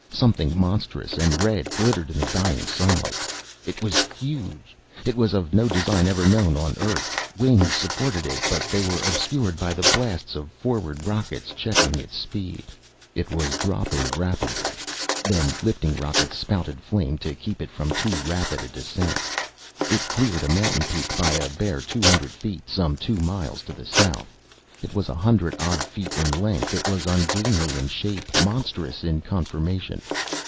Something monstrous and red glittered in the dying sunlight. It was huge. It was of no design ever known on earth. Wings supported it, but they were obscured by the blasts of forward rockets checking its speed. It was dropping rapidly. Then lifting rockets spouted flame to keep it from too rapid a descent. It cleared a mountain peak by a bare two hundred feet, some two miles to the south. It was a hundred odd feet in length. It was ungainly in shape, monstrous in conformation.